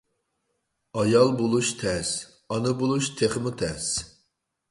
ئايال بولۇش تەس، ئانا بولۇش تېخىمۇ تەس.